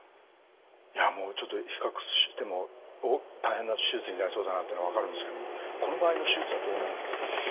いやもうちょっと比較しても大変な手術になりそうだなっていうのは分かるんですけどもこの場合の手術はどうなるんですか？